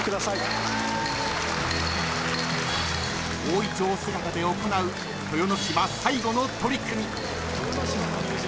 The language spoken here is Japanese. ［大銀杏姿で行う豊ノ島最後の取組］